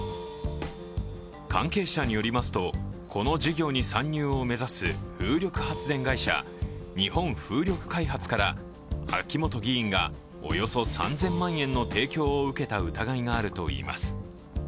関係者によりますと、この事業に参入を目指す風力発電会社、日本風力開発から秋本議員がおよそ３０００万円の提供を受けた疑いがあるといいます。